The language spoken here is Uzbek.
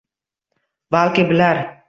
Balki bilar…